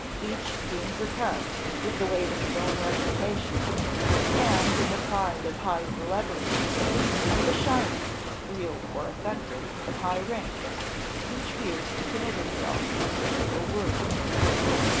Each seems oppressed with the weight of his own reputation, and, in the pride of high celebrity, and the shyness, real or affected, of high rank, each fears to commit himself by a single word.